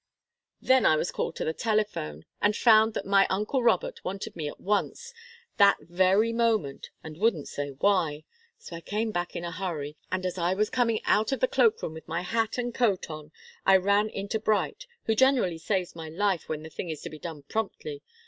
Then I was called to the telephone, and found that my uncle Robert wanted me at once, that very moment, and wouldn't say why. So I came back in a hurry, and as I was coming out of the cloak room with my hat and coat on I ran into Bright, who generally saves my life when the thing is to be done promptly.